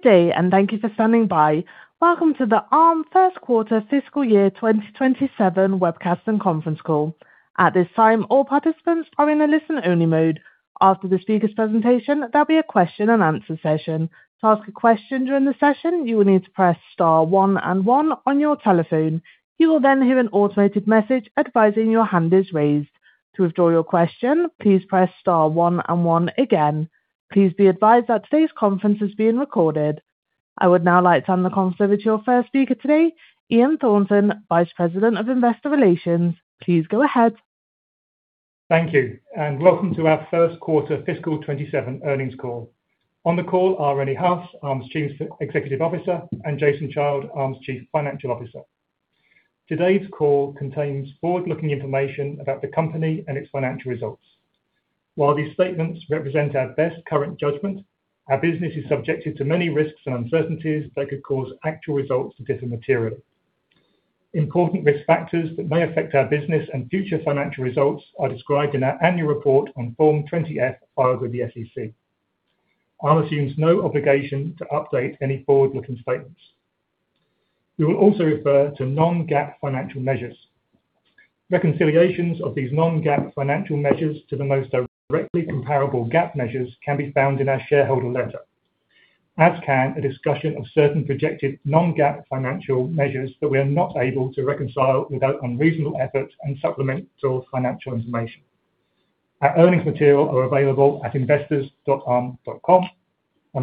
Good day, and thank you for standing by. Welcome to the Arm first quarter fiscal year 2027 webcast and conference call. At this time, all participants are in a listen-only mode. After the speaker's presentation, there'll be a question and answer session. To ask a question during the session, you will need to press star one and one on your telephone. You will then hear an automated message advising your hand is raised. To withdraw your question, please press star one and one again. Please be advised that today's conference is being recorded. I would now like to hand the conference over to your first speaker today, Ian Thornton, Vice President of Investor Relations. Please go ahead. Thank you, and welcome to our first quarter fiscal 2027 earnings call. On the call are Rene Haas, Arm's Chief Executive Officer, and Jason Child, Arm's Chief Financial Officer. Today's call contains forward-looking information about the company and its financial results. While these statements represent our best current judgment, our business is subjected to many risks and uncertainties that could cause actual results to differ materially. Important risk factors that may affect our business and future financial results are described in our annual report on Form 20-F filed with the SEC. Arm assumes no obligation to update any forward-looking statements. We will also refer to non-GAAP financial measures. Reconciliations of these non-GAAP financial measures to the most directly comparable GAAP measures can be found in our shareholder letter, as can a discussion of certain projected non-GAAP financial measures that we are not able to reconcile without unreasonable effort and supplemental financial information. Our earnings materials are available at investors.arm.com.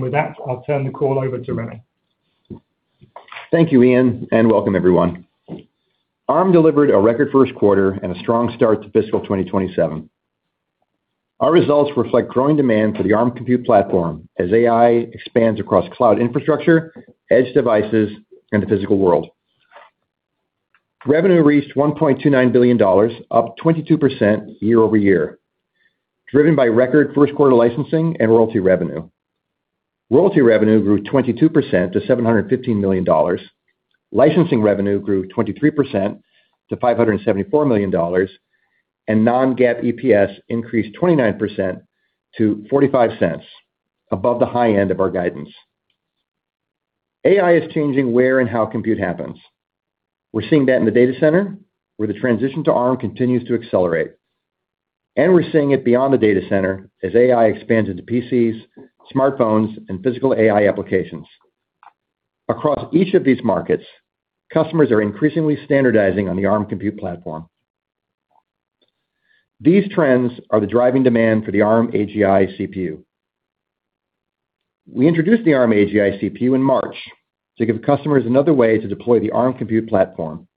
With that, I'll turn the call over to Rene. Thank you, Ian, and welcome everyone. Arm delivered a record first quarter and a strong start to fiscal 2027. Our results reflect growing demand for the Arm compute platform as AI expands across cloud infrastructure, edge devices, and the physical world. Revenue reached $1.29 billion, up 22% year-over-year, driven by record first quarter licensing and royalty revenue. Royalty revenue grew 22% to $715 million. Licensing revenue grew 23% to $574 million, and non-GAAP EPS increased 29% to $0.45, above the high end of our guidance. AI is changing where and how compute happens. We're seeing that in the data center, where the transition to Arm continues to accelerate, and we're seeing it beyond the data center as AI expands into PCs, smartphones, and physical AI applications. Across each of these markets, customers are increasingly standardizing on the Arm compute platform. These trends are the driving demand for the Arm AGI CPU. We introduced the Arm AGI CPU in March to give customers another way to deploy the Arm compute platform.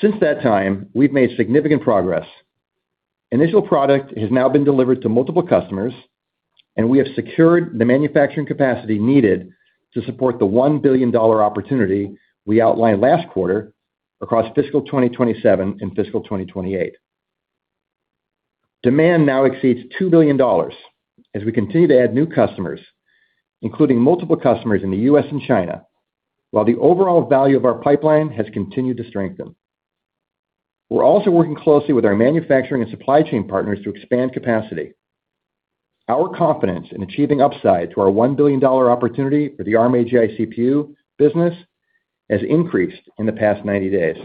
Since that time, we've made significant progress. Initial product has now been delivered to multiple customers, and we have secured the manufacturing capacity needed to support the $1 billion opportunity we outlined last quarter across fiscal 2027 and fiscal 2028. Demand now exceeds $2 billion as we continue to add new customers, including multiple customers in the U.S. and China, while the overall value of our pipeline has continued to strengthen. We're also working closely with our manufacturing and supply chain partners to expand capacity. Our confidence in achieving upside to our $1 billion opportunity for the Arm AGI CPU business has increased in the past 90 days.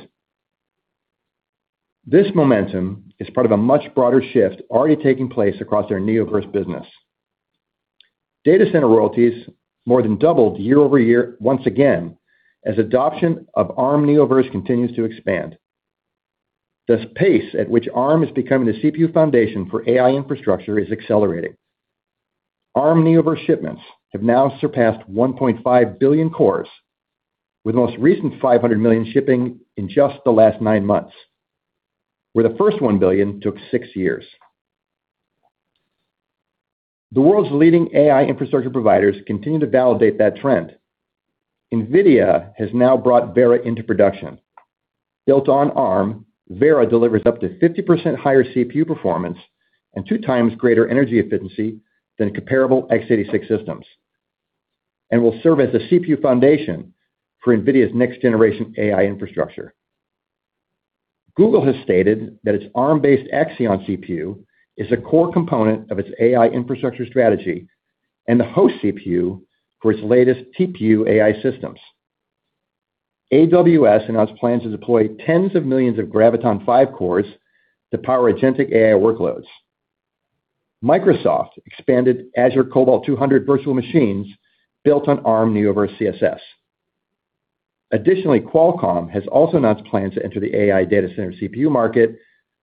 This momentum is part of a much broader shift already taking place across our Neoverse business. Data center royalties more than doubled year-over-year once again as adoption of Arm Neoverse continues to expand. The pace at which Arm is becoming the CPU foundation for AI infrastructure is accelerating. Arm Neoverse shipments have now surpassed 1.5 billion cores, with the most recent 500 million shipping in just the last nine months, where the first one billion took six years. The world's leading AI infrastructure providers continue to validate that trend. NVIDIA has now brought Vera into production. Built on Arm, Vera delivers up to 50% higher CPU performance and 2x greater energy efficiency than comparable x86 systems and will serve as the CPU foundation for NVIDIA's next generation AI infrastructure. Google has stated that its Arm-based Axion CPU is a core component of its AI infrastructure strategy and the host CPU for its latest TPU AI systems. AWS announced plans to deploy tens of millions of Graviton5 cores to power agentic AI workloads. Microsoft expanded Azure Cobalt 200 virtual machines built on Arm Neoverse CSS. Additionally, Qualcomm has also announced plans to enter the AI data center CPU market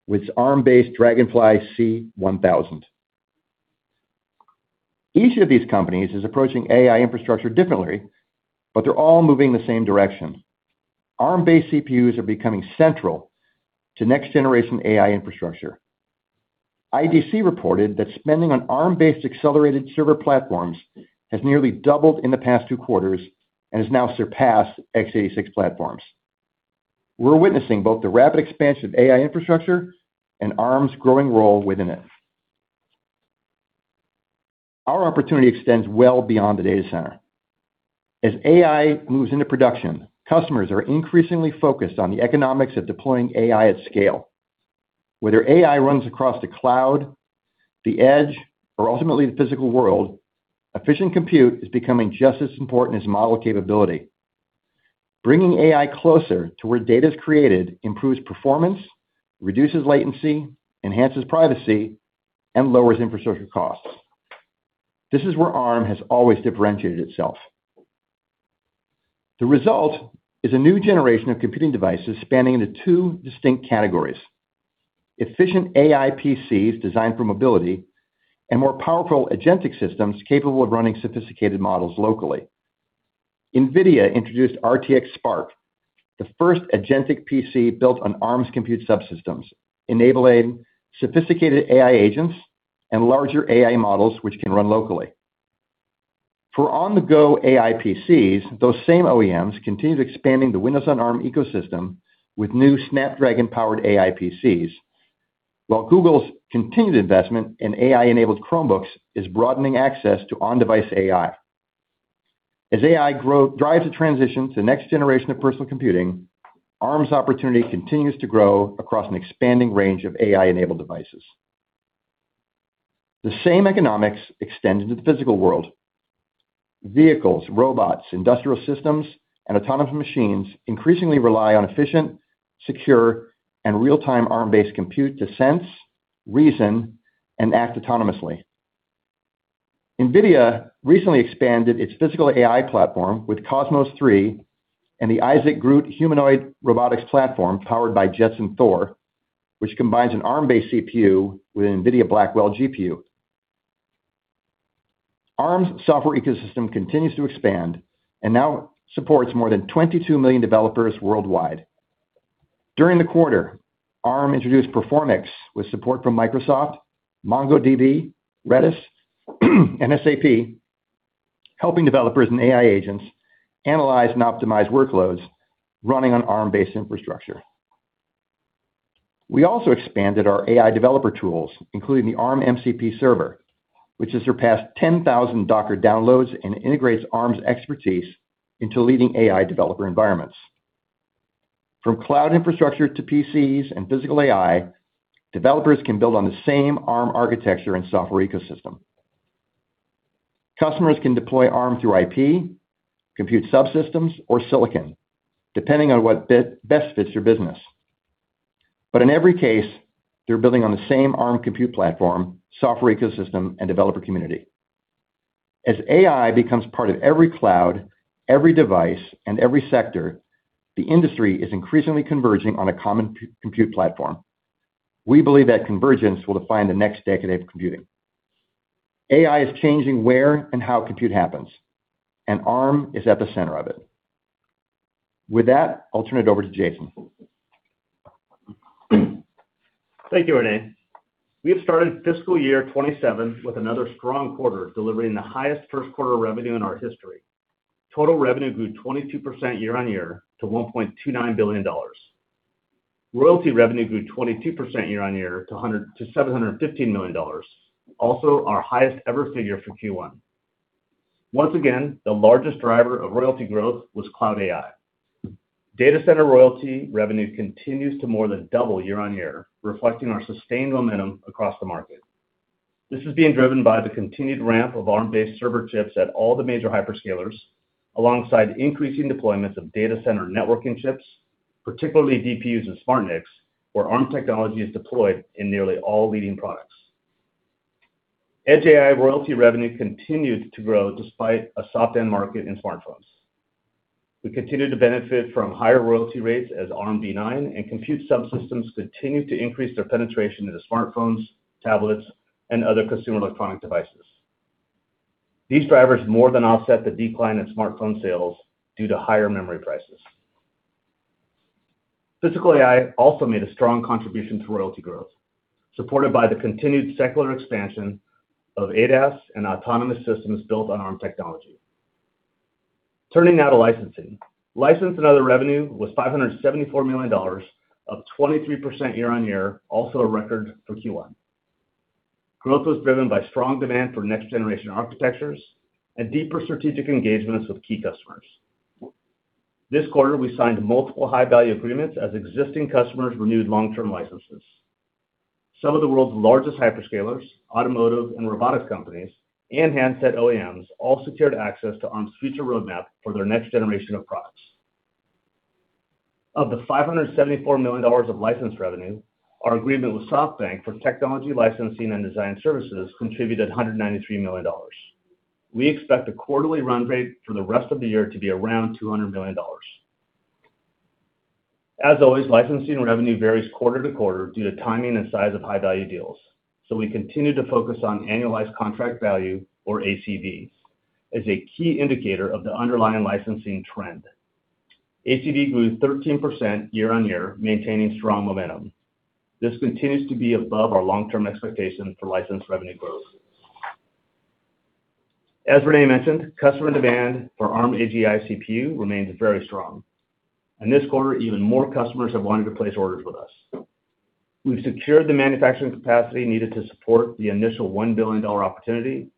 with its Arm-based Dragonfly C1000. Each of these companies is approaching AI infrastructure differently, but they're all moving in the same direction. Arm-based CPUs are becoming central to next generation AI infrastructure. IDC reported that spending on Arm-based accelerated server platforms has nearly doubled in the past two quarters and has now surpassed x86 platforms. We're witnessing both the rapid expansion of AI infrastructure and Arm's growing role within it. Our opportunity extends well beyond the data center. As AI moves into production, customers are increasingly focused on the economics of deploying AI at scale. Whether AI runs across the cloud, the edge, or ultimately the physical world, efficient compute is becoming just as important as model capability. Bringing AI closer to where data is created improves performance, reduces latency, enhances privacy, and lowers infrastructure costs. This is where Arm has always differentiated itself. The result is a new generation of computing devices spanning into two distinct categories. Efficient AI PCs designed for mobility, and more powerful agentic systems capable of running sophisticated models locally. NVIDIA introduced RTX Spark, the first agentic PC built on Arm's compute subsystems, enabling sophisticated AI agents and larger AI models which can run locally. For on-the-go AI PCs, those same OEMs continue expanding the Windows on Arm ecosystem with new Snapdragon-powered AI PCs, while Google's continued investment in AI-enabled Chromebooks is broadening access to on-device AI. As AI drives the transition to the next generation of personal computing, Arm's opportunity continues to grow across an expanding range of AI-enabled devices. The same economics extend into the physical world. Vehicles, robots, industrial systems, and autonomous machines increasingly rely on efficient, secure, and real-time Arm-based compute to sense, reason, and act autonomously. NVIDIA recently expanded its physical AI platform with Cosmos 3 and the Isaac GR00T humanoid robotics platform powered by Jetson Thor, which combines an Arm-based CPU with an NVIDIA Blackwell GPU. Arm's software ecosystem continues to expand and now supports more than 22 million developers worldwide. During the quarter, Arm introduced Performix with support from Microsoft, MongoDB, Redis, and SAP, helping developers and AI agents analyze and optimize workloads running on Arm-based infrastructure. We also expanded our AI developer tools, including the Arm MCP Server, which has surpassed 10,000 Docker downloads and integrates Arm's expertise into leading AI developer environments. From cloud infrastructure to PCs and physical AI, developers can build on the same Arm architecture and software ecosystem. Customers can deploy Arm through IP, compute subsystems, or silicon, depending on what best fits their business. In every case, they're building on the same Arm compute platform, software ecosystem, and developer community. As AI becomes part of every cloud, every device, and every sector, the industry is increasingly converging on a common compute platform. We believe that convergence will define the next decade of computing. AI is changing where and how compute happens, Arm is at the center of it. With that, I'll turn it over to Jason. Thank you, Rene. We have started fiscal year 2027 with another strong quarter, delivering the highest first quarter revenue in our history. Total revenue grew 22% year-on-year to $1.29 billion. Royalty revenue grew 22% year-on-year to $715 million. Also, our highest ever figure for Q1. Once again, the largest driver of royalty growth was cloud AI. Data center royalty revenue continues to more than double year-on-year, reflecting our sustained momentum across the market. This is being driven by the continued ramp of Arm-based server chips at all the major hyperscalers, alongside increasing deployments of data center networking chips, particularly DPUs and SmartNICs, where Arm technology is deployed in nearly all leading products. Edge AI royalty revenue continued to grow despite a soft end market in smartphones. We continue to benefit from higher royalty rates as Armv9 and Compute Subsystems continue to increase their penetration into smartphones, tablets, and other consumer electronic devices. These drivers more than offset the decline in smartphone sales due to higher memory prices. Physical AI also made a strong contribution to royalty growth, supported by the continued secular expansion of ADAS and autonomous systems built on Arm technology. Turning now to licensing. License and other revenue was $574 million, up 23% year-on-year, also a record for Q1. Growth was driven by strong demand for next-generation architectures, and deeper strategic engagements with key customers. This quarter, we signed multiple high-value agreements as existing customers renewed long-term licenses. Some of the world's largest hyperscalers, automotive and robotics companies, and handset OEMs all secured access to Arm's future roadmap for their next generation of products. Of the $574 million of licensed revenue, our agreement with SoftBank for technology licensing and design services contributed $193 million. We expect the quarterly run rate for the rest of the year to be around $200 million. As always, licensing revenue varies quarter-to-quarter due to timing and size of high-value deals. We continue to focus on annualized contract value, or ACV, as a key indicator of the underlying licensing trend. ACV grew 13% year-on-year, maintaining strong momentum. This continues to be above our long-term expectation for licensed revenue growth. As Rene mentioned, customer demand for Arm AGI CPU remains very strong. In this quarter, even more customers have wanted to place orders with us. We've secured the manufacturing capacity needed to support the initial $1 billion opportunity.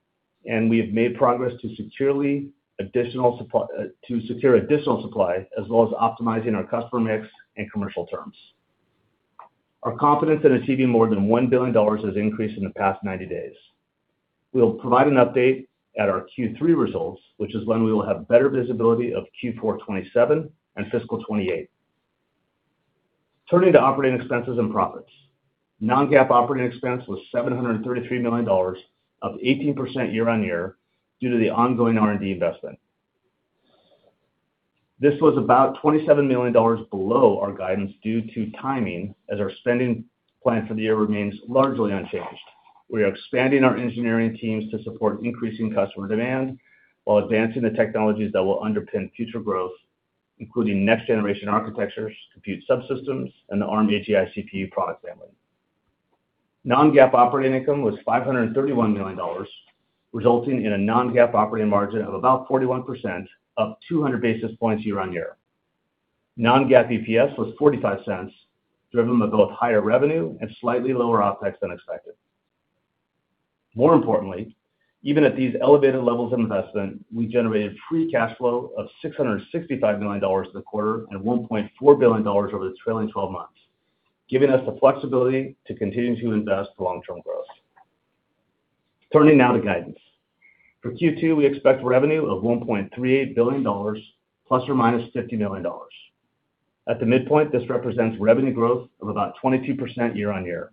We have made progress to secure additional supply, as well as optimizing our customer mix and commercial terms. Our confidence in achieving more than $1 billion has increased in the past 90 days. We will provide an update at our Q3 results, which is when we will have better visibility of Q4 2027 and fiscal 2028. Turning to operating expenses and profits. Non-GAAP operating expense was $733 million, up 18% year-on-year due to the ongoing R&D investment. This was about $27 million below our guidance due to timing, as our spending plan for the year remains largely unchanged. We are expanding our engineering teams to support increasing customer demand while advancing the technologies that will underpin future growth, including next-generation architectures, Compute Subsystems, and the Arm AGI CPU product family. Non-GAAP operating income was $531 million, resulting in a non-GAAP operating margin of about 41%, up 200 basis points year-on-year. Non-GAAP EPS was $0.45, driven by both higher revenue and slightly lower OPEX than expected. More importantly, even at these elevated levels of investment, we generated free cash flow of $665 million in the quarter and $1.4 billion over the trailing 12 months, giving us the flexibility to continue to invest for long-term growth. Turning now to guidance. For Q2, we expect revenue of $1.38 billion ±$50 million. At the midpoint, this represents revenue growth of about 22% year-on-year.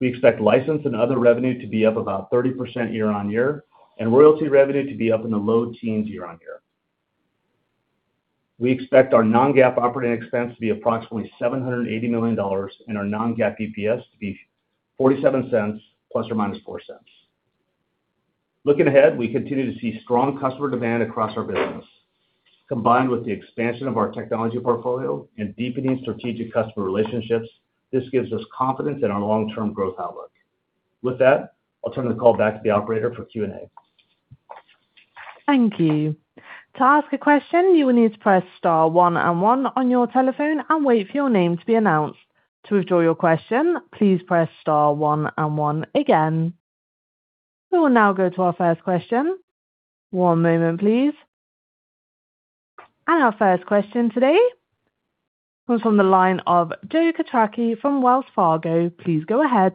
We expect license and other revenue to be up about 30% year-on-year and royalty revenue to be up in the low teens year-on-year. We expect our non-GAAP operating expense to be approximately $780 million and our non-GAAP EPS to be $0.47 ±$0.04. Looking ahead, we continue to see strong customer demand across our business. Combined with the expansion of our technology portfolio and deepening strategic customer relationships, this gives us confidence in our long-term growth outlook. With that, I'll turn the call back to the operator for Q&A. Thank you. To ask a question, you will need to press star one and one on your telephone and wait for your name to be announced. To withdraw your question, please press star one and one again. We will now go to our first question. One moment, please. Our first question today comes from the line of Joe Quatrochi from Wells Fargo. Please go ahead.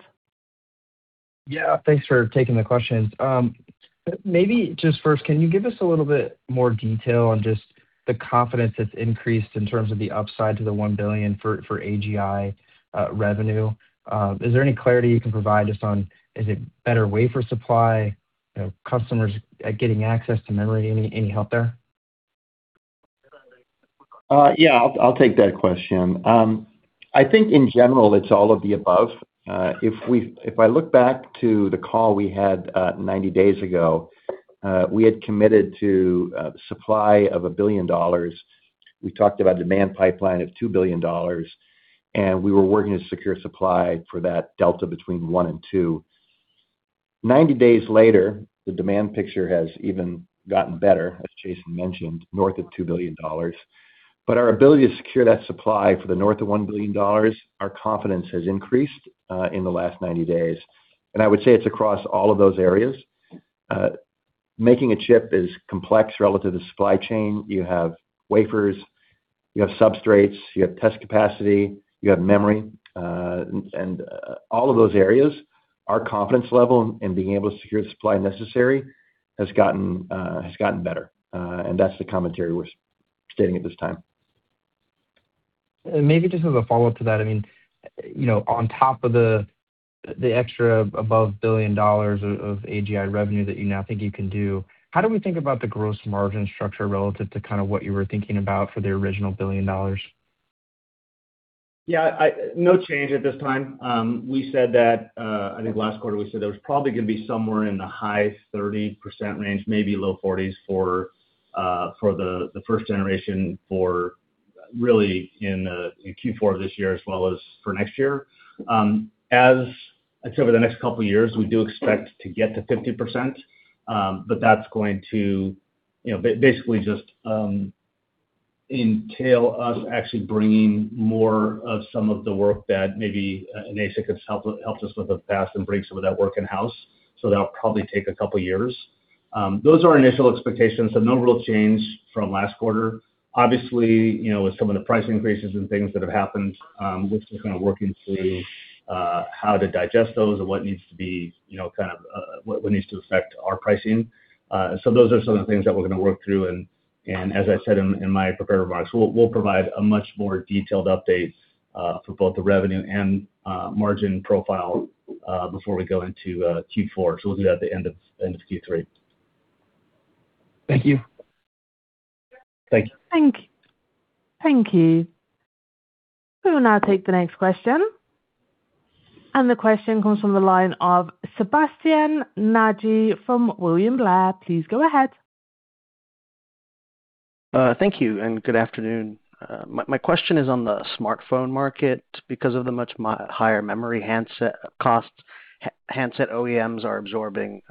Yeah, thanks for taking the questions. Maybe just first, can you give us a little bit more detail on just the confidence that's increased in terms of the upside to the $1 billion for AGI revenue? Is there any clarity you can provide just on, is it better wafer supply? Customers getting access to memory? Any help there? Yeah, I'll take that question. I think in general, it's all of the above. If I look back to the call we had 90 days ago, we had committed to supply of a billion dollars. We talked about demand pipeline of $2 billion, and we were working to secure supply for that delta between one and two. 90 days later, the demand picture has even gotten better, as Jason mentioned, north of $2 billion. Our ability to secure that supply for the north of $1 billion, our confidence has increased in the last 90 days, and I would say it's across all of those areas. Making a chip is complex relative to supply chain. You have wafers, you have substrates, you have test capacity, you have memory. All of those areas, our confidence level in being able to secure the supply necessary has gotten better. That's the commentary we're stating at this time. Maybe just as a follow-up to that, on top of the extra above billion dollars of AGI revenue that you now think you can do, how do we think about the gross margin structure relative to what you were thinking about for the original billion dollars? Yeah. No change at this time. I think last quarter we said there was probably going to be somewhere in the high 30% range, maybe low 40%s for the first generation for really in Q4 of this year as well as for next year. I'd say over the next couple of years, we do expect to get to 50%, but that's going to basically just entail us actually bringing more of some of the work that maybe an ASIC has helped us with in the past and brings some of that work in-house, so that'll probably take a couple of years. Those are our initial expectations, so no real change from last quarter. Obviously, with some of the price increases and things that have happened, we're still kind of working through how to digest those and what needs to affect our pricing. Those are some of the things that we're going to work through, and as I said in my prepared remarks, we'll provide a much more detailed update for both the revenue and margin profile before we go into Q4, so we'll do that at the end of Q3. Thank you. Thank you. Thank you. We will now take the next question. The question comes from the line of Sebastien Naji from William Blair. Please go ahead. Thank you, and good afternoon. My question is on the smartphone market. Because of the much higher memory handset costs, handset OEMs are absorbing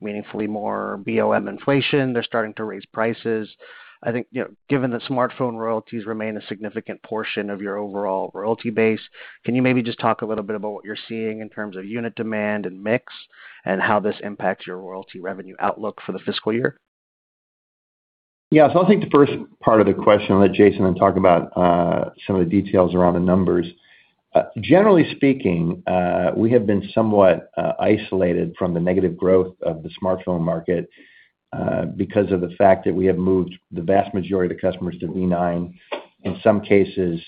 meaningfully more BOM inflation. They are starting to raise prices. I think, given that smartphone royalties remain a significant portion of your overall royalty base, can you maybe just talk a little bit about what you are seeing in terms of unit demand and mix? How this impacts your royalty revenue outlook for the fiscal year? I'll take the first part of the question and let Jason then talk about some of the details around the numbers. Generally speaking, we have been somewhat isolated from the negative growth of the smartphone market because of the fact that we have moved the vast majority of the customers to Armv9, in some cases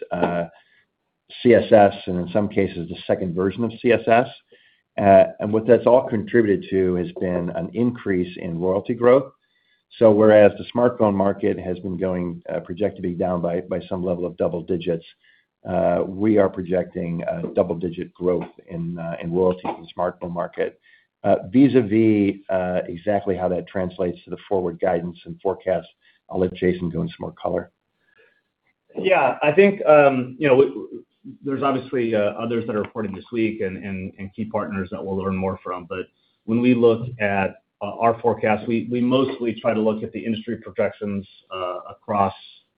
CSS, and in some cases the second version of CSS. What that's all contributed to has been an increase in royalty growth. Whereas the smartphone market has been going, projected to be down by some level of double digits, we are projecting double-digit growth in royalty in the smartphone market. Vis-a-vis exactly how that translates to the forward guidance and forecast, I'll let Jason go into some more color. I think there's obviously others that are reporting this week and key partners that we'll learn more from. When we look at our forecast, we mostly try to look at the industry projections across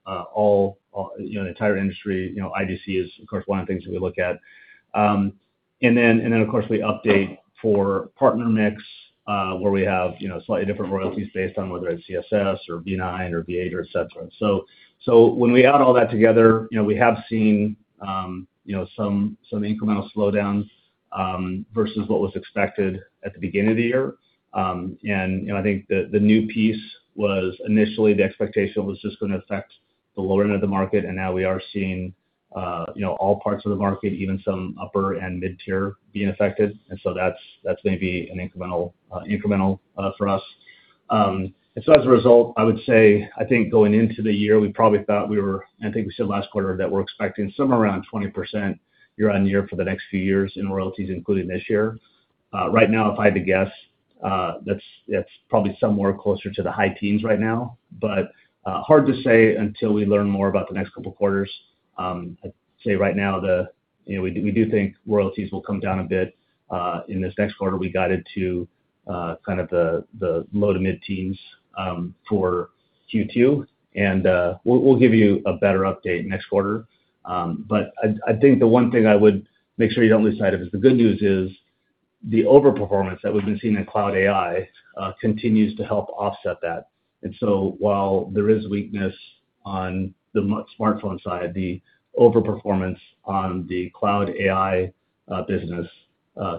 the entire industry. IDC is of course, one of the things we look at. Then of course we update for partner mix, where we have slightly different royalties based on whether it's CSS or Armv9 or Armv8, et cetera. When we add all that together, we have seen some incremental slowdowns versus what was expected at the beginning of the year. I think the new piece was initially the expectation was just going to affect the lower end of the market, and now we are seeing all parts of the market, even some upper and mid-tier being affected. That's maybe an incremental for us. As a result, I would say, I think going into the year, we probably thought I think we said last quarter that we're expecting somewhere around 20% year-over-year for the next few years in royalties, including this year. Right now, if I had to guess, that's probably somewhere closer to the high teens right now, but hard to say until we learn more about the next couple of quarters. I'd say right now, we do think royalties will come down a bit in this next quarter. We guided to kind of the low to mid-teens for Q2, and we'll give you a better update next quarter. I think the one thing I would make sure you don't lose sight of is the good news is the overperformance that we've been seeing in cloud AI continues to help offset that. While there is weakness on the smartphone side, the overperformance on the cloud AI business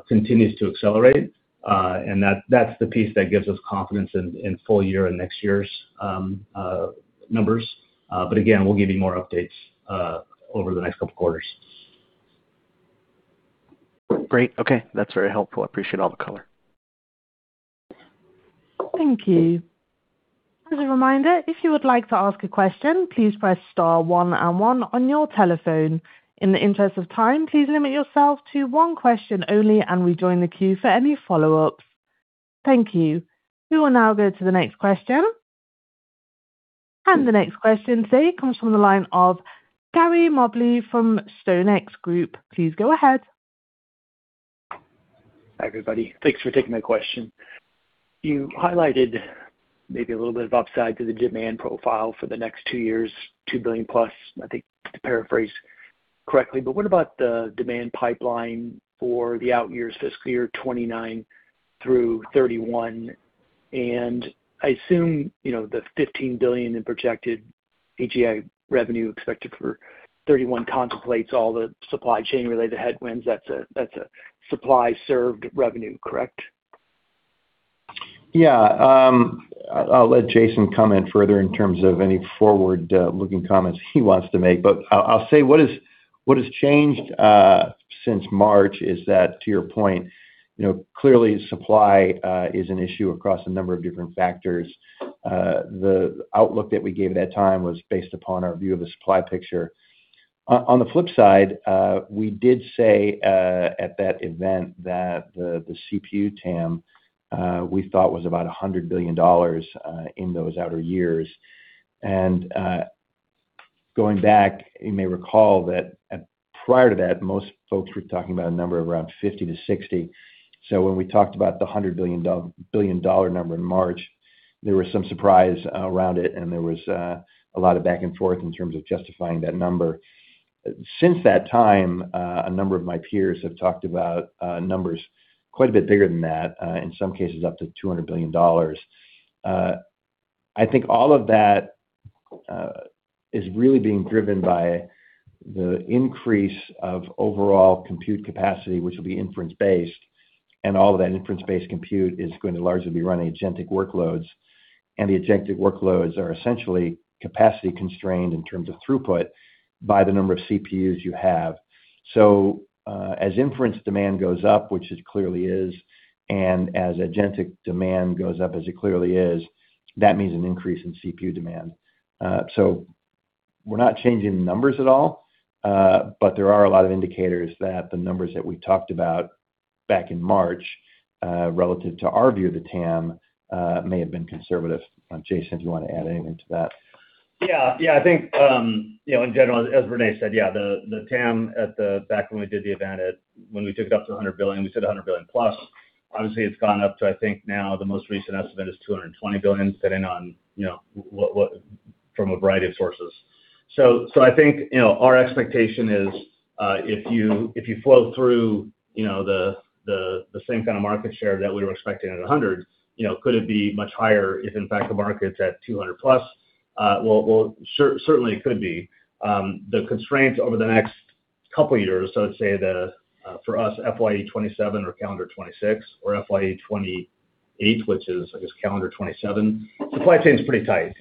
continues to accelerate. That's the piece that gives us confidence in full year and next year's numbers. Again, we'll give you more updates over the next couple of quarters. Great. Okay. That's very helpful. I appreciate all the color. Thank you. As a reminder, if you would like to ask a question, please press star one and one on your telephone. In the interest of time, please limit yourself to one question only, and rejoin the queue for any follow-ups. Thank you. We will now go to the next question. The next question today comes from the line of Gary Mobley from StoneX Group. Please go ahead. Hi, everybody. Thanks for taking my question. You highlighted maybe a little bit of upside to the demand profile for the next two years, $2 billion plus, I think to paraphrase correctly. What about the demand pipeline for the out years fiscal year 2029 through 2031? I assume the $15 billion in projected AGI revenue expected for 2031 contemplates all the supply chain-related headwinds. That is a supply served revenue, correct? I will let Jason comment further in terms of any forward-looking comments he wants to make, but I will say what has changed since March is that, to your point, clearly supply is an issue across a number of different factors. The outlook that we gave at that time was based upon our view of the supply picture. On the flip side, we did say at that event that the CPU TAM we thought was about $100 billion in those outer years. Going back, you may recall that prior to that, most folks were talking about a number of around $50 billion-$60 billion. When we talked about the $100 billion number in March, there was some surprise around it and there was a lot of back and forth in terms of justifying that number. Since that time, a number of my peers have talked about numbers quite a bit bigger than that, in some cases up to $200 billion. I think all of that is really being driven by the increase of overall compute capacity, which will be inference-based. All of that inference-based compute is going to largely be running agentic workloads, and the agentic workloads are essentially capacity constrained in terms of throughput by the number of CPUs you have. As inference demand goes up, which it clearly is, and as agentic demand goes up, as it clearly is, that means an increase in CPU demand. We're not changing the numbers at all, but there are a lot of indicators that the numbers that we talked about back in March, relative to our view of the TAM, may have been conservative. Jason, do you want to add anything to that? Yeah. I think, in general, as Rene said, the TAM back when we did the event, when we took it up to $100 billion, we said $100+ billion. Obviously, it's gone up to, I think now the most recent estimate is $220 billion sitting on from a variety of sources. I think our expectation is if you flow through the same kind of market share that we were expecting at $100 billion, could it be much higher if in fact the market's at $200+ billion? Well, certainly it could be. The constraints over the next couple years, so let's say the, for us, FY 2027 or calendar 2026 or FY 2028, which is, I guess, calendar 2027, supply chain's pretty tight.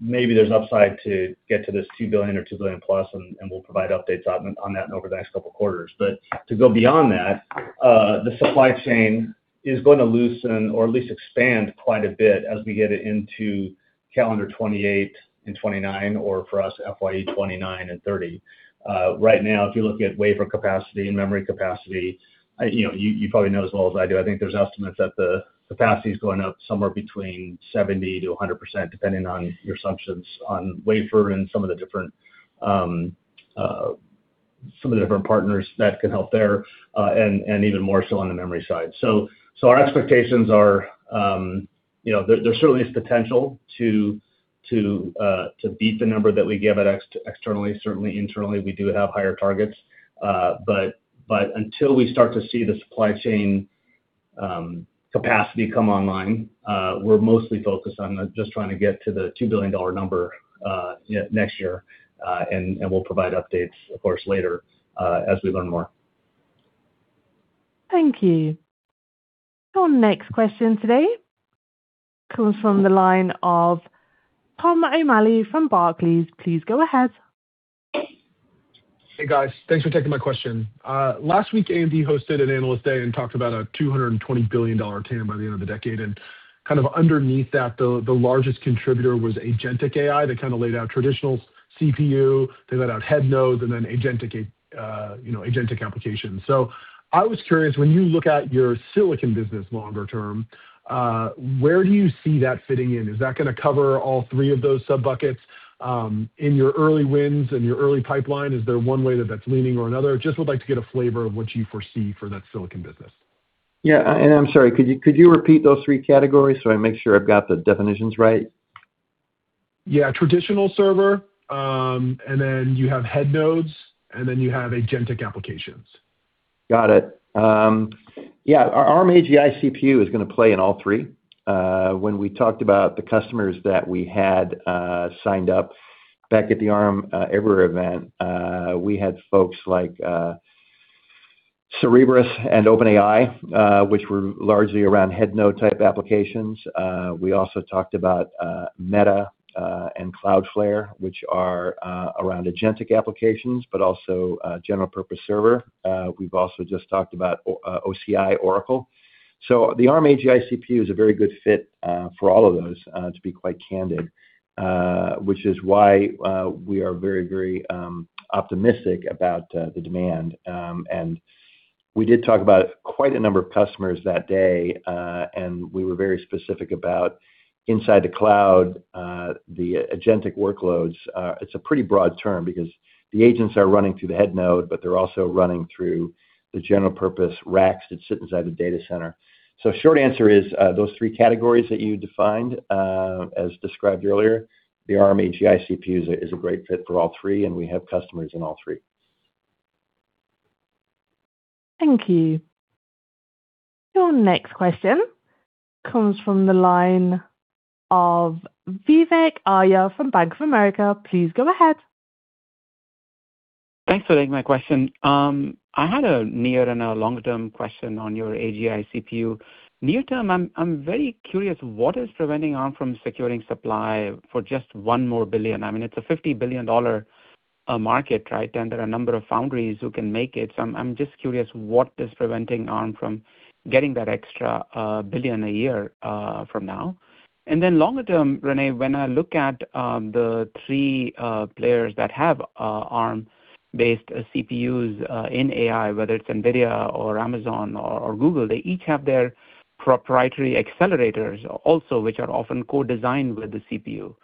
Maybe there's upside to get to this $2 billion or $2+ billion, and we'll provide updates on that over the next couple of quarters. To go beyond that, the supply chain is going to loosen or at least expand quite a bit as we get it into calendar 2028 and 2029 or for us, FY 2029 and FY 2030. Right now, if you look at wafer capacity and memory capacity, you probably know as well as I do, I think there's estimates that the capacity's going up somewhere between 70%-100%, depending on your assumptions on wafer and some of the different partners that can help there, and even more so on the memory side. Our expectations are there certainly is potential to beat the number that we give externally. Certainly, internally, we do have higher targets. Until we start to see the supply chain capacity come online, we're mostly focused on just trying to get to the $2 billion number next year. We'll provide updates, of course, later, as we learn more. Thank you. Our next question today comes from the line of Tom O'Malley from Barclays. Please go ahead. Hey, guys. Thanks for taking my question. Last week, AMD hosted an analyst day and talked about a $220 billion TAM by the end of the decade, and kind of underneath that, the largest contributor was agentic AI. They laid out traditional CPU, they laid out head nodes, and then agentic applications. I was curious, when you look at your silicon business longer term, where do you see that fitting in? Is that going to cover all three of those sub-buckets? In your early wins and your early pipeline, is there one way that that's leaning or another? Just would like to get a flavor of what you foresee for that silicon business. Yeah. I'm sorry, could you repeat those three categories so I make sure I've got the definitions right? Yeah. Traditional server, and then you have head nodes, and then you have agentic applications. Got it. Yeah. Our Arm AGI CPU is going to play in all three. When we talked about the customers that we had signed up back at the Arm Everywhere event, we had folks like Cerebras and OpenAI, which were largely around head node type applications. We also talked about Meta and Cloudflare, which are around agentic applications, but also general purpose server. We've also just talked about OCI Oracle. The Arm AGI CPU is a very good fit for all of those, to be quite candid, which is why we are very optimistic about the demand. We did talk about quite a number of customers that day. We were very specific about inside the cloud, the agentic workloads. It's a pretty broad term because the agents are running through the head node, but they're also running through the general purpose racks that sit inside the data center. Short answer is, those three categories that you defined, as described earlier, the Arm AGI CPU is a great fit for all three, and we have customers in all three. Thank you. Your next question comes from the line of Vivek Arya from Bank of America. Please go ahead. Thanks for taking my question. I had a near and a long-term question on your AGI CPU. Near term, I'm very curious, what is preventing Arm from securing supply for just $1 billion? I mean, it's a $50 billion market, right? There are a number of foundries who can make it. I'm just curious what is preventing Arm from getting that extra billion a year from now. Longer term, Rene, when I look at the three players that have Arm-based CPUs in AI, whether it's NVIDIA or Amazon or Google, they each have their proprietary accelerators also, which are often co-designed with the CPU.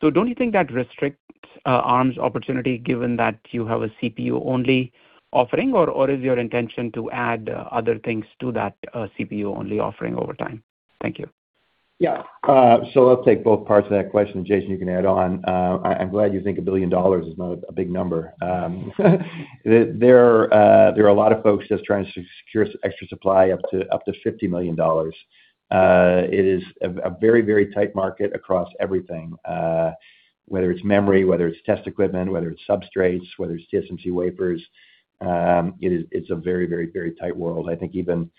Don't you think that restricts Arm's opportunity given that you have a CPU-only offering, or is your intention to add other things to that CPU-only offering over time? Thank you. I'll take both parts of that question, and Jason, you can add on. I'm glad you think a billion dollars is not a big number. There are a lot of folks just trying to secure extra supply up to $50 million. It is a very tight market across everything. Whether it's memory, whether it's test equipment, whether it's substrates, whether it's TSMC wafers. It's a very, very tight world. I think even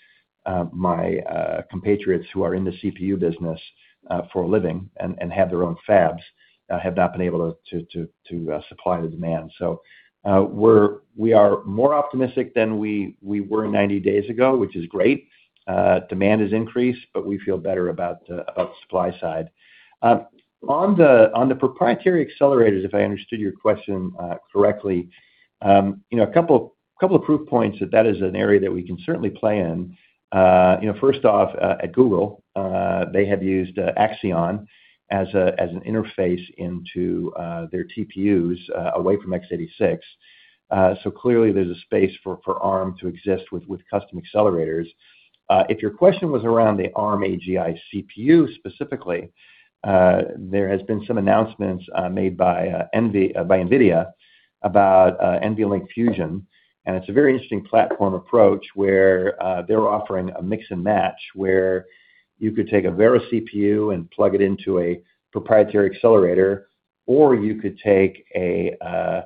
my compatriots who are in the CPU business for a living and have their own fabs have not been able to supply the demand. We are more optimistic than we were 90 days ago, which is great. Demand has increased, but we feel better about the supply side. On the proprietary accelerators, if I understood your question correctly, a couple of proof points that is an area that we can certainly play in. First off, at Google, they have used Axion as an interface into their TPUs, away from x86. Clearly there's a space for Arm to exist with custom accelerators. If your question was around the Arm AGI CPU specifically, there has been some announcements made by NVIDIA about NVLink Fusion, and it's a very interesting platform approach where they're offering a mix and match, where you could take a Vera CPU and plug it into a proprietary accelerator, or you could take a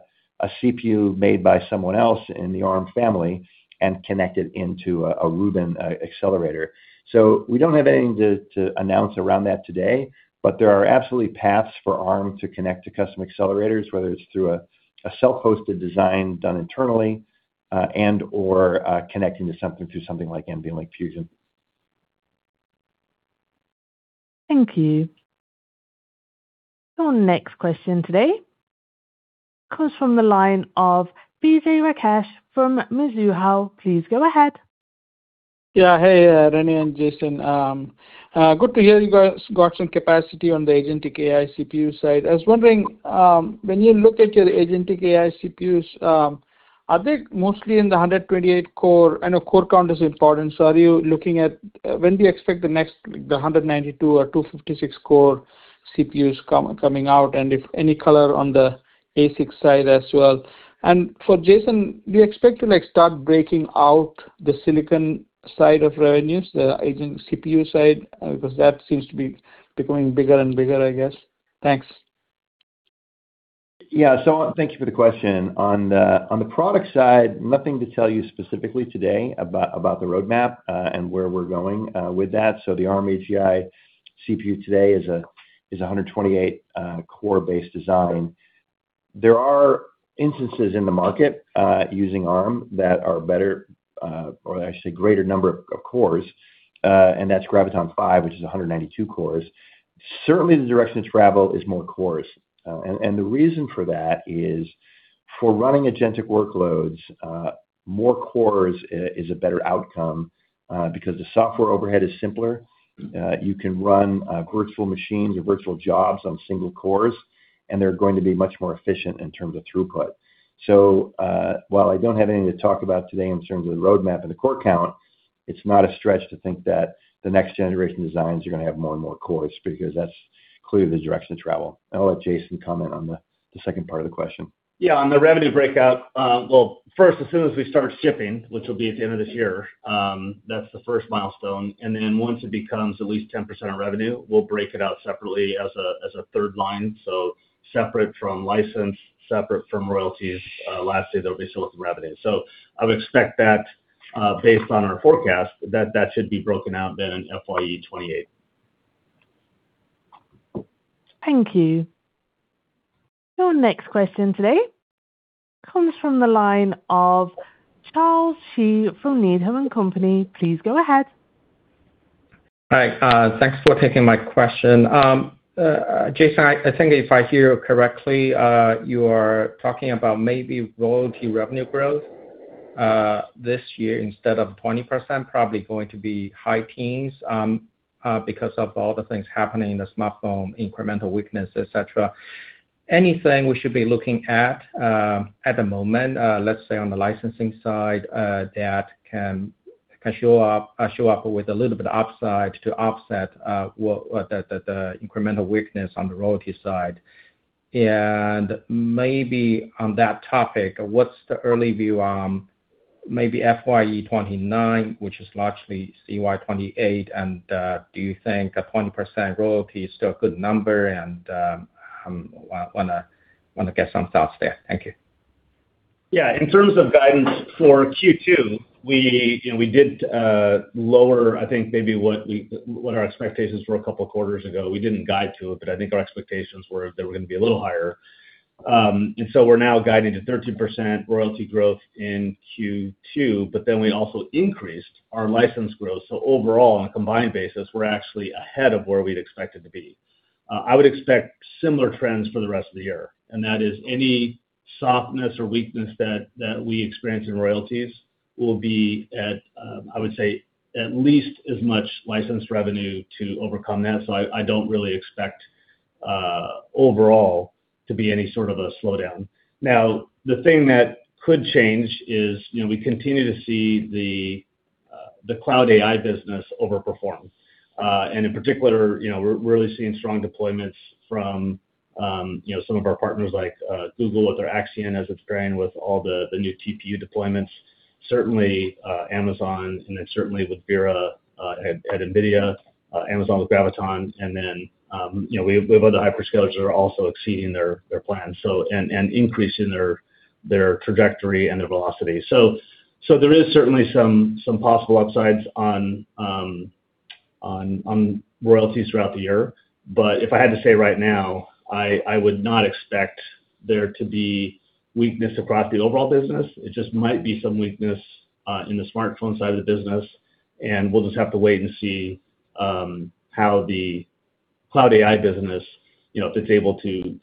CPU made by someone else in the Arm family and connect it into a Rubin accelerator. We don't have anything to announce around that today, but there are absolutely paths for Arm to connect to custom accelerators, whether it's through a self-hosted design done internally and/or connecting to something through something like NVLink Fusion. Thank you. Our next question today comes from the line of Vijay Rakesh from Mizuho. Please go ahead. Yeah. Hey, Rene and Jason. Good to hear you guys got some capacity on the agentic AI CPU side. I was wondering, when you look at your agentic AI CPUs, are they mostly in the 128 core? I know core count is important. When do you expect the next, the 192 or 256 core CPUs coming out, and if any color on the ASIC side as well? For Jason, do you expect to start breaking out the silicon side of revenues, the agent CPU side? Because that seems to be becoming bigger and bigger, I guess. Thanks. Yeah. Thank you for the question. On the product side, nothing to tell you specifically today about the roadmap, and where we're going with that. The Arm AGI CPU today is 128 core based design. There are instances in the market, using Arm, that are better, or actually greater number of cores, and that's Graviton5, which is 192 cores. Certainly, the direction of travel is more cores. The reason for that is for running agentic workloads, more cores is a better outcome, because the software overhead is simpler. You can run virtual machines or virtual jobs on single cores, and they're going to be much more efficient in terms of throughput. While I don't have anything to talk about today in terms of the roadmap and the core count, it's not a stretch to think that the next generation designs are going to have more and more cores, because that's clearly the direction of travel. I'll let Jason comment on the second part of the question. Yeah. On the revenue breakout, well first, as soon as we start shipping, which will be at the end of this year, that's the first milestone. Then once it becomes at least 10% of revenue, we'll break it out separately as a third line. Separate from license, separate from royalties, lastly, there'll be silicon revenue. I would expect that, based on our forecast, that that should be broken out then in FY 2028. Thank you. Your next question today comes from the line of Charles Shi from Needham & Company. Please go ahead. Hi. Thanks for taking my question. Jason, I think if I hear correctly, you are talking about maybe royalty revenue growth this year instead of 20%, probably going to be high teens, because of all the things happening in the smartphone, incremental weakness, et cetera. Anything we should be looking at at the moment, let's say on the licensing side, that can show up with a little bit of upside to offset the incremental weakness on the royalty side? Maybe on that topic, what's the early view on maybe FY 2029, which is largely CY 2028, and do you think a 20% royalty is still a good number? I want to get some thoughts there. Thank you. In terms of guidance for Q2, we did lower, I think maybe what our expectations were a couple of quarters ago. We didn't guide to it, but I think our expectations were they were going to be a little higher. We're now guiding to 13% royalty growth in Q2. We also increased our license growth. Overall, on a combined basis, we're actually ahead of where we'd expected to be. I would expect similar trends for the rest of the year, and that is any softness or weakness that we experience in royalties will be at, I would say, at least as much licensed revenue to overcome that. I don't really expect overall to be any sort of a slowdown. The thing that could change is we continue to see the cloud AI business overperform. In particular, we're really seeing strong deployments from some of our partners like Google with their Axion, as it's branded, with all the new TPU deployments. Certainly Amazon, certainly with Vera at NVIDIA, Amazon with Graviton. We have other hyperscalers that are also exceeding their plans, and increasing their trajectory and their velocity. There is certainly some possible upsides on royalties throughout the year. If I had to say right now, I would not expect there to be weakness across the overall business. It just might be some weakness in the smartphone side of the business, and we'll just have to wait and see how the cloud AI business, if it's able to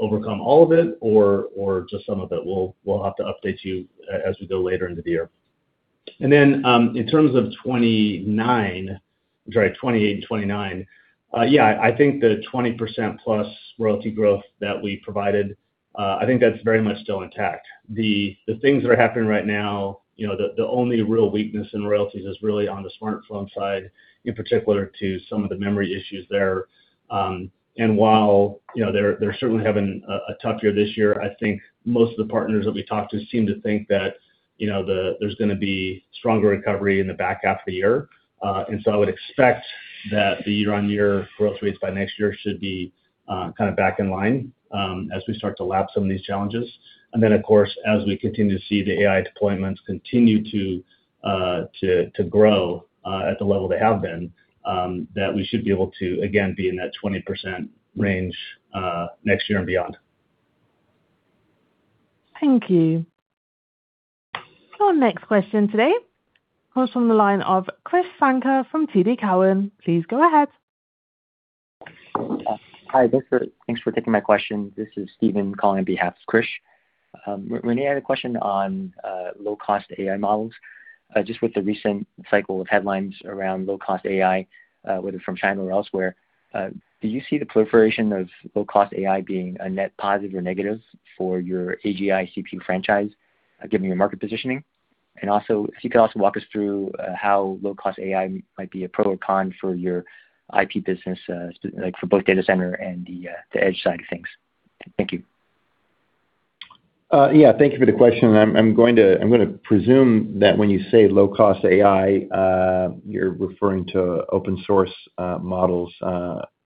overcome all of it or just some of it. We'll have to update you as we go later into the year. Then, in terms of 2029 I'm sorry, 2028 and 2029. I think the 20%+ royalty growth that we provided, I think that's very much still intact. The things that are happening right now, the only real weakness in royalties is really on the smartphone side, in particular to some of the memory issues there. While they're certainly having a tough year this year, I think most of the partners that we talk to seem to think that there's going to be stronger recovery in the back half of the year. I would expect that the year-on-year growth rates by next year should be kind of back in line as we start to lap some of these challenges. Then, of course, as we continue to see the AI deployments continue to grow at the level they have been, that we should be able to again be in that 20% range next year and beyond. Thank you. Our next question today comes from the line of Krish Sankar from TD Cowen. Please go ahead. Hi. Thanks for taking my question. This is Steven calling behalf Krish. Rene, I had a question on low-cost AI models, just with the recent cycle of headlines around low-cost AI, whether from China or elsewhere. Do you see the proliferation of low-cost AI being a net positive or negative for your AGI CPU franchise, given your market positioning? Also, if you could also walk us through how low-cost AI might be a pro or con for your IP business, like for both data center and the edge side of things. Thank you. Thank you for the question. I'm going to presume that when you say low-cost AI, you're referring to open source models,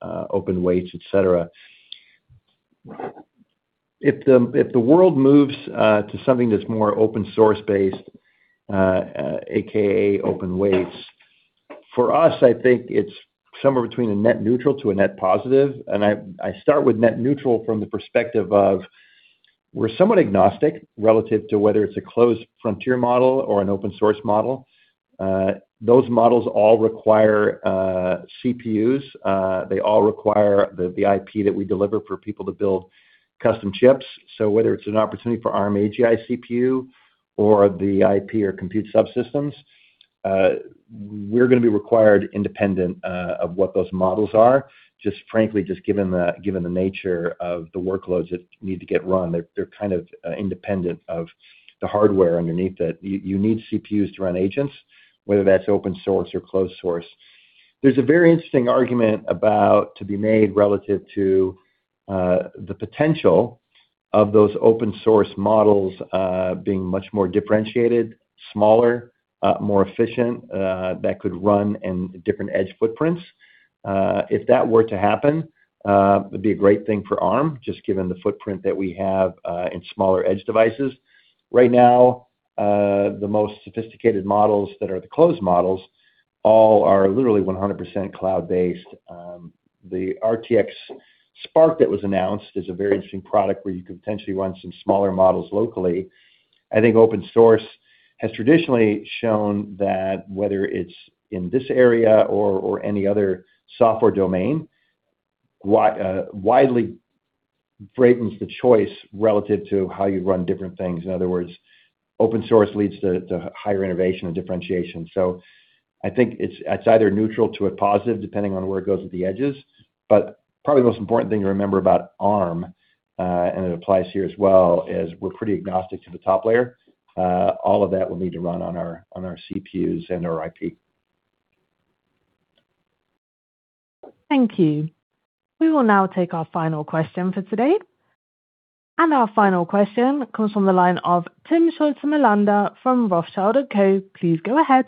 open weights, et cetera. If the world moves to something that's more open source based, AKA open weights, for us, I think it's somewhere between a net neutral to a net positive. I start with net neutral from the perspective of, we're somewhat agnostic relative to whether it's a closed frontier model or an open source model. Those models all require CPUs. They all require the IP that we deliver for people to build custom chips. Whether it's an opportunity for Arm AGI CPU or the IP or compute subsystems, we're going to be required independent of what those models are. Frankly, just given the nature of the workloads that need to get run, they're kind of independent of the hardware underneath it. You need CPUs to run agents, whether that's open source or closed source. There's a very interesting argument about to be made relative to the potential of those open source models being much more differentiated, smaller, more efficient, that could run in different edge footprints. If that were to happen, it'd be a great thing for Arm, just given the footprint that we have in smaller edge devices. Right now, the most sophisticated models that are the closed models all are literally 100% cloud based. The RTX Spark that was announced is a very interesting product where you could potentially run some smaller models locally. I think open source has traditionally shown that whether it's in this area or any other software domain, widely broadens the choice relative to how you run different things. In other words, open source leads to higher innovation and differentiation. I think it's either neutral to a positive, depending on where it goes at the edges, but probably the most important thing to remember about Arm, and it applies here as well, is we're pretty agnostic to the top layer. All of that will need to run on our CPUs and our IP. Thank you. We will now take our final question for today. Our final question comes from the line of Timm Schulze-Melander from Rothschild & Co. Please go ahead.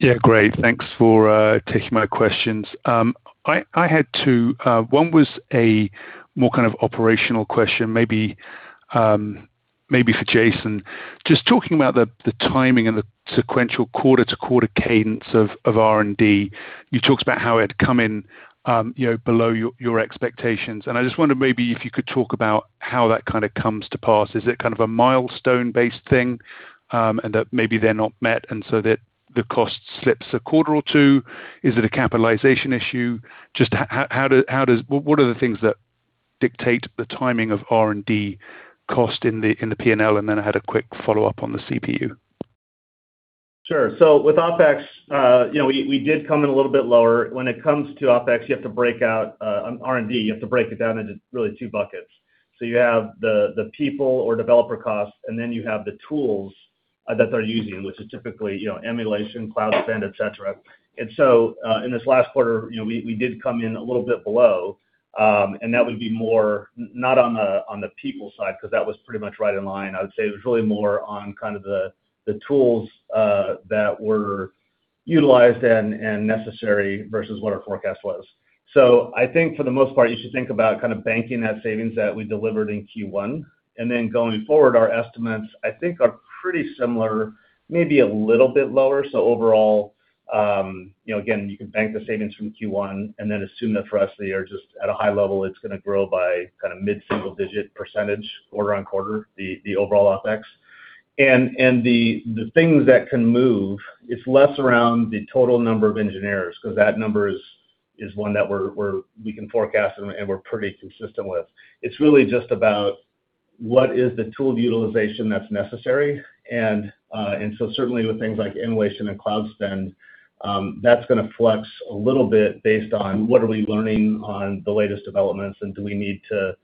Yeah. Great. Thanks for taking my questions. I had two. One was a more kind of operational question, maybe for Jason. Just talking about the timing and the sequential quarter-to-quarter cadence of R&D. You talked about how it had come in below your expectations. I just wonder maybe if you could talk about how that kind of comes to pass. Is it kind of a milestone-based thing, and that maybe they're not met so that the cost slips a quarter or two? Is it a capitalization issue? Just what are the things that dictate the timing of R&D cost in the P&L? I had a quick follow-up on the CPU. Sure. With OpEx, we did come in a little bit lower. When it comes to OpEx, you have to break out R&D. You have to break it down into really two buckets. You have the people or developer costs, and then you have the tools that they're using, which is typically emulation, cloud spend, et cetera. In this last quarter, we did come in a little bit below. That would be more not on the people side, because that was pretty much right in line. I would say it was really more on kind of the tools that were utilized and necessary versus what our forecast was. I think for the most part, you should think about kind of banking that savings that we delivered in Q1. Going forward, our estimates, I think, are pretty similar, maybe a little bit lower. Overall again, you can bank the savings from Q1 and then assume that for us, they are just at a high level, it's going to grow by kind of mid-single digit percentage quarter on quarter, the overall OpEx. The things that can move, it's less around the total number of engineers, because that number is one that we can forecast and we're pretty consistent with. It's really just about what is the tool of utilization that's necessary. Certainly with things like emulation and cloud spend, that's going to flex a little bit based on what are we learning on the latest developments, and do we need to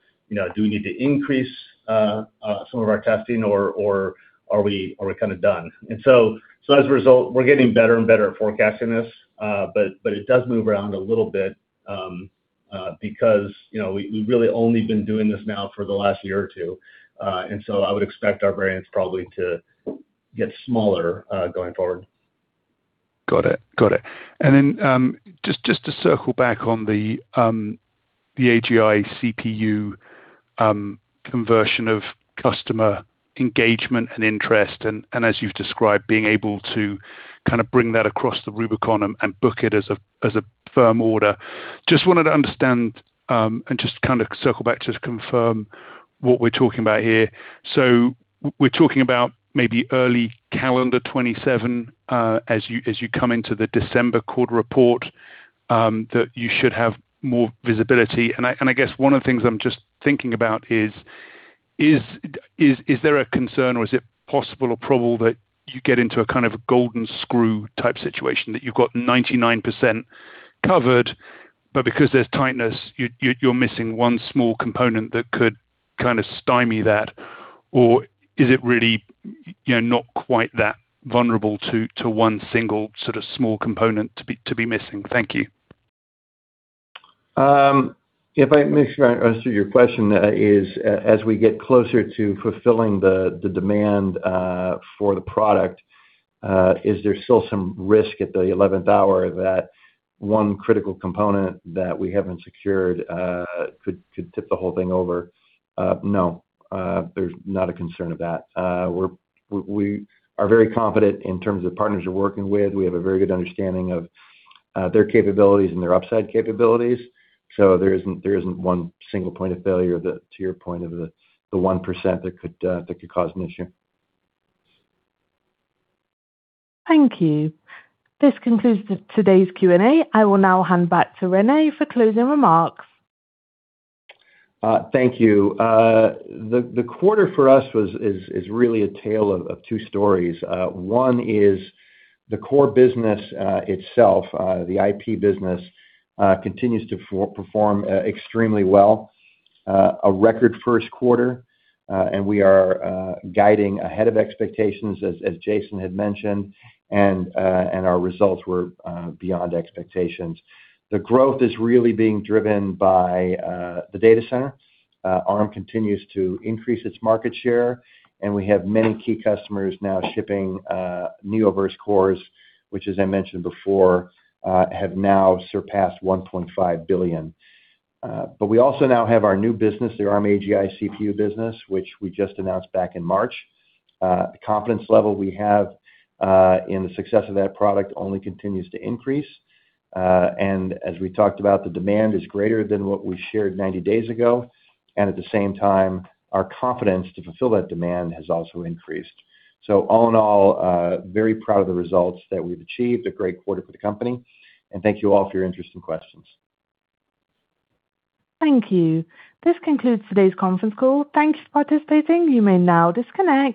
increase some of our testing or are we kind of done. As a result, we're getting better and better at forecasting this. It does move around a little bit, because we've really only been doing this now for the last year or two. I would expect our variance probably to get smaller, going forward. Got it. Just to circle back on the AGI CPU conversion of customer engagement and interest, as you've described, being able to kind of bring that across the Rubicon and book it as a firm order. Just wanted to understand, just kind of circle back just confirm what we're talking about here. We're talking about maybe early calendar 2027, as you come into the December quarter report, that you should have more visibility. I guess one of the things I'm just thinking about is there a concern or is it possible or probable that you get into a kind of a golden screw type situation that you've got 99% covered, but because there's tightness, you're missing one small component that could kind of stymie that? Or is it really not quite that vulnerable to one single sort of small component to be missing? Thank you. If I make sure I answer your question, is as we get closer to fulfilling the demand for the product, is there still some risk at the 11th hour that one critical component that we haven't secured could tip the whole thing over? No, there's not a concern of that. We are very confident in terms of the partners we're working with. We have a very good understanding of their capabilities and their upside capabilities. There isn't one single point of failure that, to your point, of the 1% that could cause an issue. Thank you. This concludes today's Q&A. I will now hand back to Rene for closing remarks. Thank you. The quarter for us is really a tale of two stories. One is the core business itself, the IP business, continues to perform extremely well. A record first quarter. We are guiding ahead of expectations, as Jason had mentioned, and our results were beyond expectations. The growth is really being driven by the data center. Arm continues to increase its market share, and we have many key customers now shipping Neoverse cores, which as I mentioned before, have now surpassed 1.5 billion. We also now have our new business, the Arm AGI CPU business, which we just announced back in March. The confidence level we have in the success of that product only continues to increase. As we talked about, the demand is greater than what we shared 90 days ago. At the same time, our confidence to fulfill that demand has also increased. All in all, very proud of the results that we've achieved, a great quarter for the company, and thank you all for your interest and questions. Thank you. This concludes today's conference call. Thank you for participating. You may now disconnect.